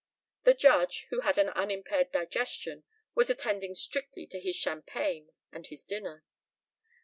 (The Judge, who had an unimpaired digestion, was attending strictly to his champagne and his dinner.)